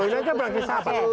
ini aja berarti sabar